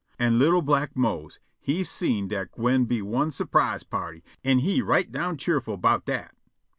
An' li'l' black Mose he seen dat gwine be one s'prise party, an' he right down cheerful 'bout dat.